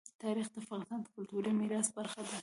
تاریخ د افغانستان د کلتوري میراث برخه ده.